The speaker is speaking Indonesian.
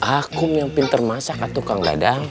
akum yang pintar masak kak tukang dadang